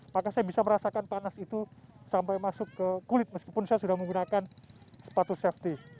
maka saya bisa merasakan panas itu sampai masuk ke kulit meskipun saya sudah menggunakan sepatu safety